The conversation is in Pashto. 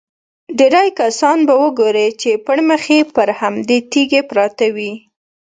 ډېری کسان به ګورې چې پړمخې پر همدې تیږې پراته وي.